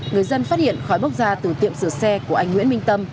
người dân phát hiện khói bốc ra từ tiệm sửa xe của anh nguyễn minh tâm